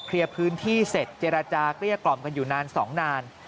เคลียร์พื้นที่เสร็จเจรจากเรียกล่อมกันอยู่นานสองนาน